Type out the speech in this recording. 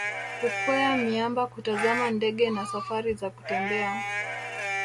kukwea miamba kutazama ndege na safari za kutembea